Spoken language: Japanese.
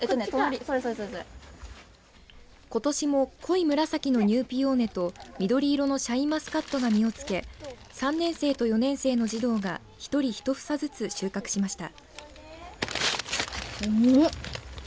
ことしも濃い紫のニューピオーネと緑色のシャインマスカットが実をつけ３年生と４年生の児童が１人１房ずつ収穫しました。